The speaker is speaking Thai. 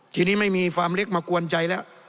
ทีนี้ไม่มีฟาร์มเล็กมากวนใจแล้ว